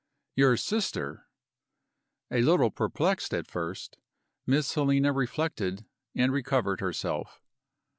"Your sister." A little perplexed at first, Miss Helena reflected, and recovered herself.